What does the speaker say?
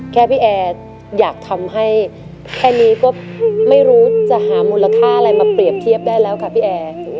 แค่พี่แอร์อยากทำให้แค่นี้ก็ไม่รู้จะหามูลค่าอะไรมาเปรียบเทียบได้แล้วค่ะพี่แอร์